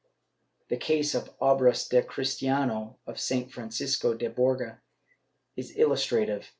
The case of the Obras del Cristiano of St. Francisco de Borja is illustrative.